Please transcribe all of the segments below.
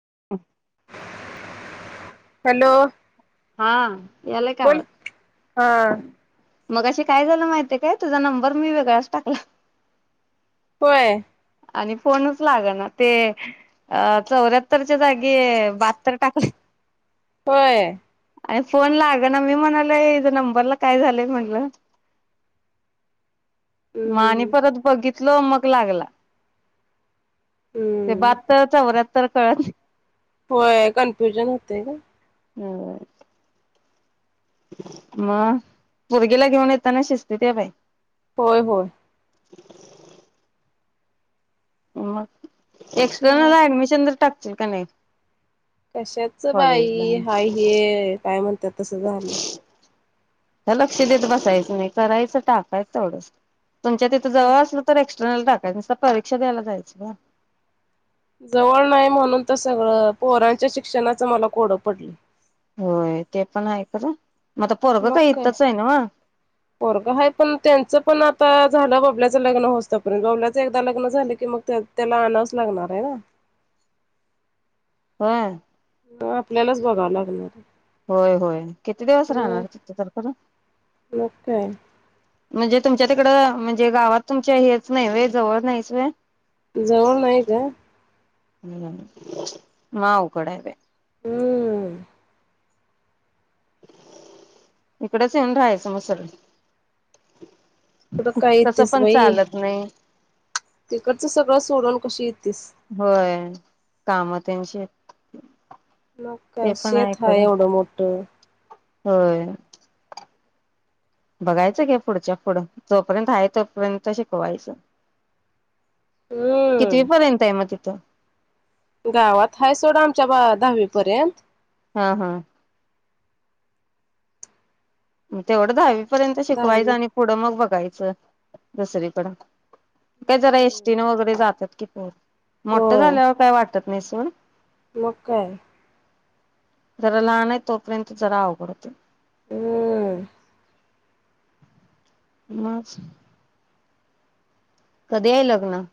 [inaudible] Hello हा याला काय बोल हा अवात मगाशी काय झालं माहितीय काय तुझा नंबर मी वेगळाच टाकला पय आणि फोनच लाग ना ते अ चौऱ्याहत्तर तेच्या जागी बात्तर टाकले पय ए फोन लागना मी म्हणालोय हिच्या नंबरला काय झालंय म्हनल म हम्म आणि हम्म हम्म परत बघित स्लो मक लागला ते हम्म बात्तर, चौऱ्या तर कळत ना होय कन्फ्युजन होतय ग हो म पोरगीला घेऊन येताना शिस्तीत ये बाई होय होय हम मग काय एक्स्टर्नल ऍडमिशन जर टाक ते काय नाही कशाच कॉलेजला बाई हाय हे काय म्हणत्यात तस झालय आता लक्ष देत बसायचं नाही करायचं टाकायचं तेवढंच तुमच्या तिथं हम्म जवळ असल तर एक्स एक्स्टर्नल टाकायचं नुस्त परीक्षा द्यायला जायच गं जवळ नाही म्हणून तर सगळं पोरांच्या शिक्षणाचं मला कोडं पडलय होय ते पण आहे खर मग काय पोरग हाय पण त्यांच पण आता झालं बबल्याच लग्न होवूस तो पर्यंत बबल्याच एकदा लग्न झालं की मग ते त्याला आणावच लागणार हाय ना होय तवा आपल्यालाच बघावं लागणार होय होय किती दिवस मग राहणार तित तर खर मग काय म्हणजे तुमच्या तिकडं म्हणजे गावात तुमच्या हेच नाही वय जवळ नाहीच वय जवळ नाही ग हम् म आवगड आहेे बाई हम्म इकडच येवून राहायचं म सरळ तिकडं काय तसं येतेस पण बाई चालत नाही तिकडचं सगळं सोडून कशी ये होय काम त्यांची हेत मग काय शेत हाय एवढं मोठं होय बघायचं की पुढच्या पुढं जोपर्यंत आहे तोपर्यंत शिकवायचं कितवी हम्म पर्यंत आहे मग ते चा गावात हाय सोडा आमच्या बा दहावी पर्यंत हा हा तेवढच हाय पर्यंत शिकवायचं दहावी आणि पुढं मग बघ जायच दुसरीकड ते जरा एसटीन वगैरे जात्यात की मोठं होय झाल्याव काय वा त्यात नेसून मग काय जरा लहान आहे तोपर्यंत जरा अवघड होत हं मास कधी हे लग्न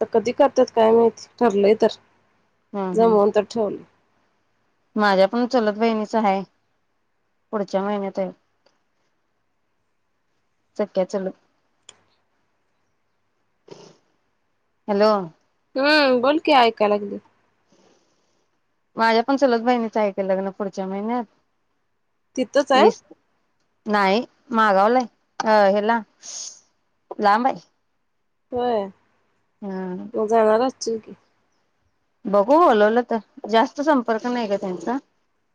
ता कधी करत्यात काय माहित ठरलंय तर हम्म जमवून हम्म तर ठेवलं माझ्या पण चुलत बहिणीच हाय, पुढच्या महिन्यात हाय सख्ख्या चुलत हॅलो हं बोलकी ऐकाय लागली माझ्या पण चूलत बहिणीचं आहे की लग्न पुढच्या महिन्यात तिथंच आहे वीस नाही मागावलाय अ हेला लांब आहे होय हम्म तु जाणार आहेस जीके बघू बोलवलं तर जास्त संपर्क नाही ग त्यांचा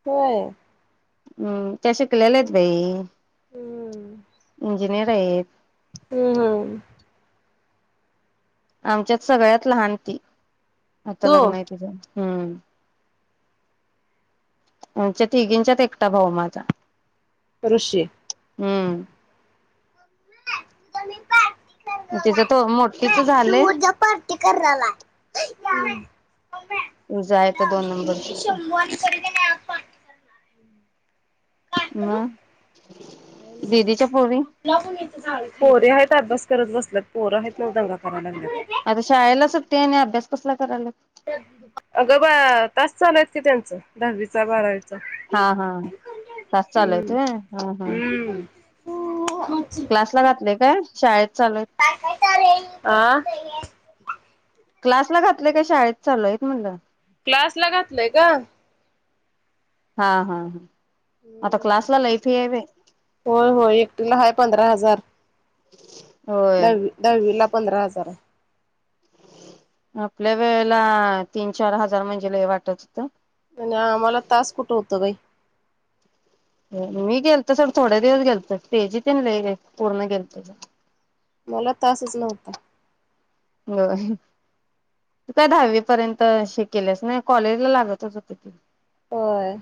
होय हं त्या शिकलेल्या हेत बाई हम्म इंजिनीयर अहेत हं हं आमच्यात सगळ्यात लहान ती आता तू लग्न आहे तिझ हं आमच्या तिघींच्यात एकटा भाऊ माझा ऋषी हम्म कोणी पार्टी तिचं तो मोठीच झालंय तु जा पार्टी कराला तुझा आहे तर दोन मी नंबरचीच सोमवारी करतो ना पार्टी मग दिदीच्या पोरी पोरी हायत बस करत बसलेत पोर आहेत ना दंगा कराय लागल्या आता शाळेला सुट्टी आणि अभ्यास कसला करायल्या अग बा तास चालूयत की त्यांच दहावीच बारावी हा हा तास चालू आहेत हम्म होय हा हा हम्म क्लासला जातं नाही का शाळेत चालूय आ क्लास ला घातलंय काय शाळेत चालूय म्हटलं क्लास ला घातलंय क हा हा हा आता हम्म क्लासला लई फी आहे बाई. होय होय एकटीला हाय पंधरा हजार होय दहावी दहावी ला पंधरा हजार आहे आपल्या वेळेला तीन चार हजार म्हणजे लई वाटच होत आम्हाला तास कुठं होत बाई मी गेलतो सोड थोड्या दिवस गेल तर तेजी ते पूर्ण गेल तीत मला तासच नव्हता होय तू काय दहावी पर्यंत शि केल्यास नाही कॉलेजला लागतच होते की होय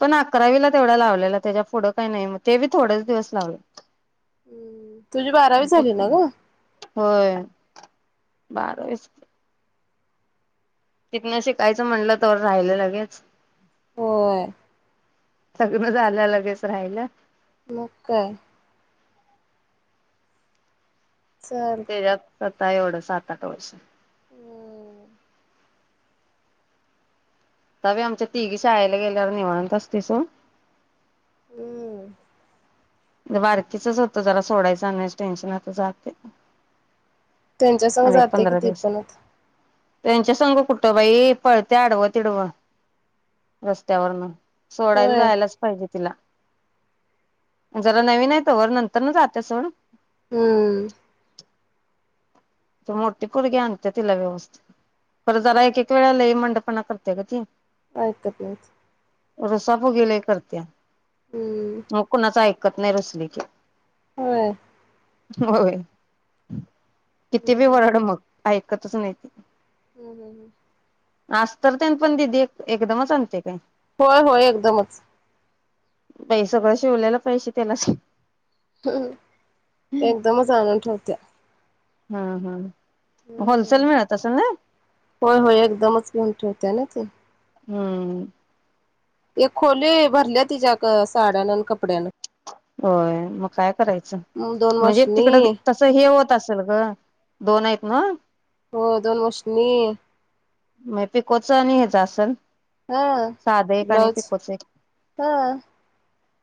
पण अकरावीला तेवढा लावलेला त्याच्या पुढं काही नाही मग ते बी थोडेच दिवस लावले हम् तुझी बारावी झाली ना ग बारावी च की तिकन शिकायचं म्हटलं तवर राहिलं लगेच होय सगळं झालं लगेच राहील मग काय चल अता एवढं सात आठ वर्ष हम्म तवी आमच्यात तिघी शाळेला गेल्यावर निवांत असतय सोड हं बारकीचच होतं जरा सोडायचं आणण्यास टेन्शनत आता जाते त्यांच्यासंग आणि एक जाते कि पंधरा ती दिवस पण त्यांच्या संग कुठं बाई पळते आडवं तिडव रस्त्यावरन सोडायला होय. जायलाच पाहिजे तिला जरा नवीन आहे तोवर नंतरन जात्यात सोड हम्म ते मोठी पोरगी आणते तिला व्यवस्थित पर जरा एक एक वेळा लई मंडपणा करते ग ती बायका तेच रुसा फुगी लय करतिया हम्म. तु कुणाच ऐक ऐकत नाही रूसली की व्हय होय किती हम्म बी हम्म. वरड मग ऐकतच नाहीती हम्म हम् हम् आस्तर तेन पण दिदी एक एकदमच आणते काय? होय होय एकदमच बइ सगळं शिवलेल पैसे त्यालाच हम्म एकदमच आनून ठेवत्या हा हा हम्म होय होय एकदमच घेऊन ठेवू त्याला ते हम्म ते खोली भरल्या तिच्या क साड्यान कपड्यान होय मग काय करायचं दोन म्हणजे मशनी. तिकड बी तस हे होत असल गं दोन हाइत न्हव हो दोन वर्षनी म पीकोच आणि हेज असल हा ब्लाउज एक हा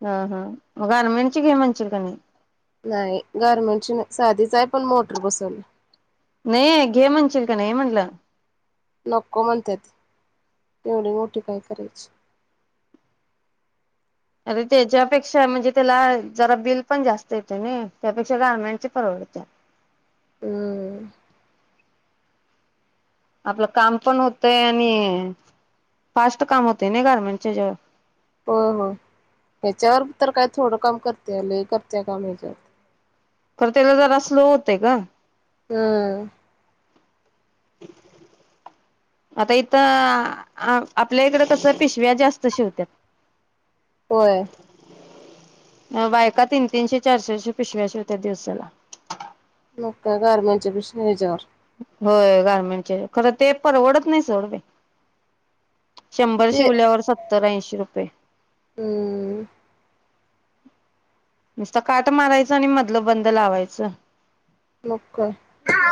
ह हा म ग आनमची गे मंचिलकणी नाही गारमेंटची नाही साधीच आहे पण मोटर बसवल्या नाही घे म्हणचील का नाही म्हटलं नको म्हणतेत एवढी मोठी काय करायची अरे त्याच्यापेक्षा म्हणजे त्याला जरा बिल पण जास्त येतं नई त्यापेक्षा गार्मेंटची परवडत्या हम्म आपलं काम पण होतय आणि फास्ट काम होतंय नई गारमेंटच्या हेज्यावर हो हो त्याच्यावर तर काय थोडं काम करत्या लै करत्या काम ह्याच्यावर खरं त्याला जरा स्लो होतय गं ह आता इथं आ आपल्या इकडं कसं पिशव्या जास्त शिवत्यात व्हय मग बायका तीन तीनशे चार चारशे पिशव्या शिवत्यात दिवसाला मग काय गारमेंटच्या मशनी ह्याच्यावर होय गारमेंटचे खरंय ते परवडत नाही सोड बै शंभर किती शिवल्यावर सत्तर ऐंशी रुपये हम्म नुसत काट मारायचं आणि मधलं बंद लावायचं मग काय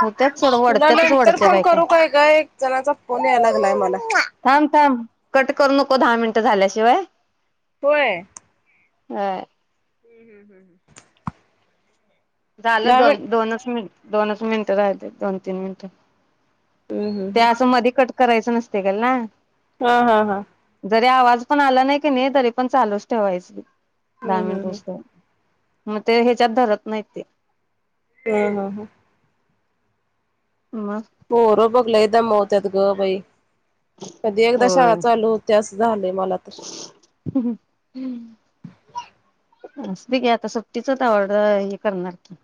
होत्यात सोड तुला वढत्यातच नंतर वढत्या फोन बायका करू काय गं एक जनाचा फोन याय लागलाय मला थांब थांब कट करू नको दहा मिनिट झाल्याशिवाय व्हय व्हय हम्म हम्म हम् झालं दोन दोनच मिनट दोनच मिनिटं राहिलेत दोन तीन मिनिटं हम्म ते हम्म असं मधी कट करायचं नसतं [unintelligible] हं हा हा जरी आवाज पण आला नाही कणी तरी पण चालूच ठेवायच दहा हम्म मिनिटं हम्म हुस तर म ते ह्याच्यात धरत नाहीत [unintelligible] हं हं हं मग पोर बग लईत दमवत्यात गं बाई कधी एकदा शाळा चालू होतीयास ह्यहं ह्यम् असुदे घे आता सुट्टीतच तेवढं हे करणार की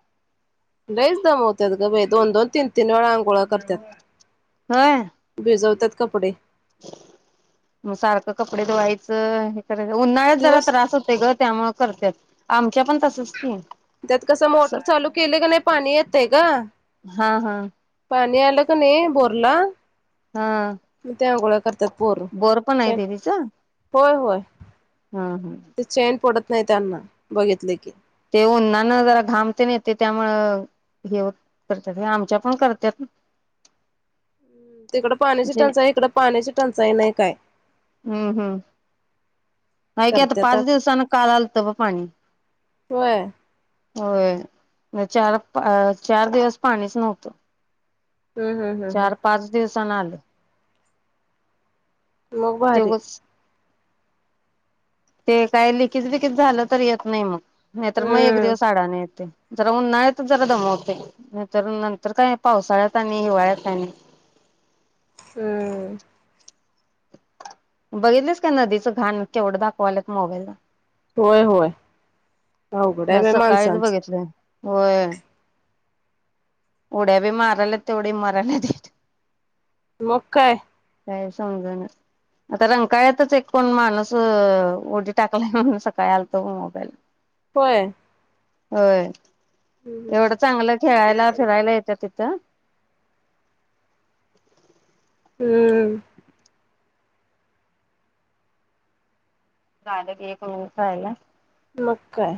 लयच‌ दमवत्यात गं बाई दोन - दोन, तीन - तीन वेळा अंघोळा होय करत्यात भिजवत्यात कपडे मग सारखं कपडें धुवायचं उन्हाळ्यात जरा दिवस त्रास होतोय ग त्या मग करत्यात आमच्या पण तसच की त्यात कसं मोटर चालू केलं कणी पाणी येतय गं हां हं पाणी आलं कनी बोरला हा त्या अंघोळा करत्यात पोर बोर पण आहे छे् दिदीच हा होय होय ह हा [inaudible] ते चैन पडत नाही त्यांना बघितलय की ते उन्हानं जरा घाम तेन येते त्यामुळ हे होय करत्यात आमच्या पण करत्यात तिकडं पाण्याची म्हणजे टंचाई इकड पाण्याची टंचाई नाई काय? हम् हं हाय की आता करत्यात पाच आप दिवसांन काल आलत ब पाणी होय व्हय चार पा चार दिवस पाणीच नव्हतं‌ हं हंम्म् हम् हं दिवसान आलय मग भारी! तेवच ते काय लिकिज बिकिज झालं तर येत नाही मग नाही तर मग एक हम्म दिवस अडान येतय जरा उन्हाळ्यात जरा दमवतय नाहीतर नंतर काय पावसाळ्यात आणि हिवाळ्यात काय नाही [inaudible] हम्म बघितलेस काय नदीचं घाण केवढं दाखवाल्यात मोबाईल ला होय होय अवघड आहे बाई सकाळीच माणसांचं बघितलं होय उड्या बी माराल्यात तेवढी मराल्यात बी मग काय काय समजना आता रंकाळ्यातच एक कोण माणूस उडी टाकलाय म्हणून सकाळी आलत मोबाईला होय होय हम्म एवढं चांगलं खेळायला फिरायला येत्यात तिथं हम्म झालं की एक [unintelligible] मग काय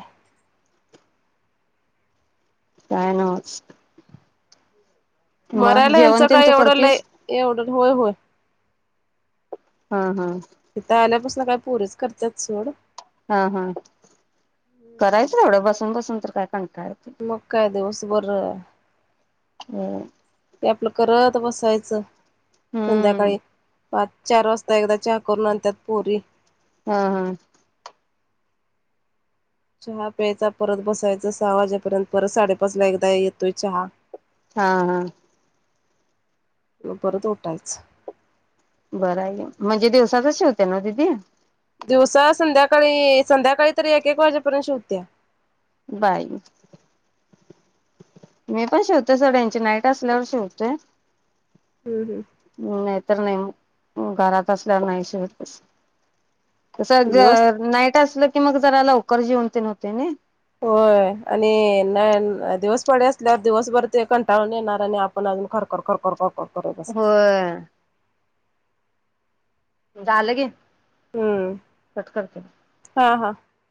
काय न्हवच मरायला हेचं काय एवढं लय एवढं होय होय हा हा इथ आल्यापासून काय पोरीच करत्यात सोड हा हा करायचं एवढं बसून बसून तर काय कंटाळा येतोय. मग काय दिवस [unintelligible] बर बर ते आपलं करत बसायचं हम्म संध्याकाळी पाच-चार वाजता एकदा चहा करून आण त्यात पोरी हा हा चहा प्यायचा परत बसायचा सहा वाजेपर्यंत परत साडेपाच ला एकदा येतोय चहा हा हा मग परत उटायच बरं आहे हे म्हणजे दिवसाचच शिवतेय नव दिदी दिवसा संध्याकाळी संध्याकाळी तरी एक एक वाजेपर्यंत शिव त्या बाई मी पण शिवतोय सोड यांची नाईट असल्यावर शिवतोय हम्म हम्म [inaudible] नय तर नय म हं घरात असल्या वर नाही शिवत बस - तस दिवस जर नाईट असल की मग जरा लवकर जेऊन तेन होतय नही होय आणि दिवस पाडे असल्यावर दिवसभर ते कंटाळून येणार आणि आपण अजून खरखर खरखर खरखर करत बसायचं होय झालं की हं कट करते. हा हा